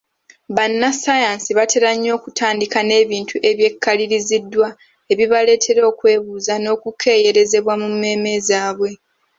Bannassaayansi batera nnyo okutandika n’ebintu ebyekaliriziddwa ebibaleetera okwebuuza n’okukeeyerezebwa mu mmeeme zaabwe.